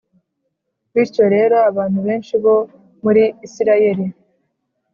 Bityo rero abantu benshi bo muri isirayeli